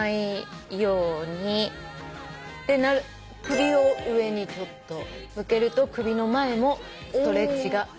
首を上に向けると首の前もストレッチができますので。